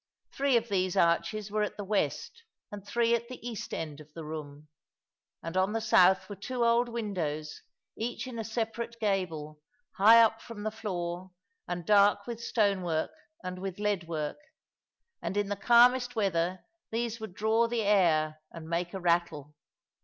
Three of these arches were at the west and three at the east end of the room, and on the south were two old windows, each in a separate gable, high up from the floor, and dark with stone work and with lead work; and in the calmest weather these would draw the air and make a rattle.